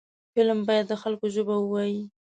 فلم باید د خلکو ژبه ووايي